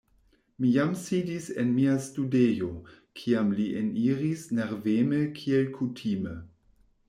Mi jam sidis en mia studejo, kiam li eniris nerveme kiel kutime.